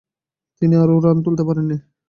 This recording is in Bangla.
তিনি আরও রান তুলতে পারেননি।